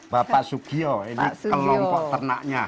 bapak sugio ini kelompok ternaknya